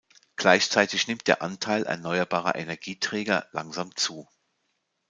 Gleichzeitig nimmt der Anteil erneuerbarer Energieträger langsam zu.